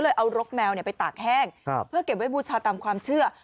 เอารกแมวไปตากแห้งเพื่อเก็บไว้บูชาตามความเชื่อ